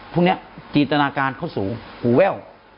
พวกนี้จินตนาการเขาสูงหูแว่ว